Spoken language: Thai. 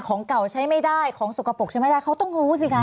ของเก่าใช้ไม่ได้ของสกปรกใช้ไม่ได้เขาต้องรู้สิคะ